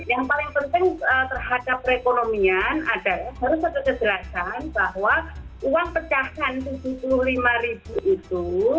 yang paling penting terhadap perekonomian adalah harus ada kejelasan bahwa uang pecahan rp tujuh puluh lima itu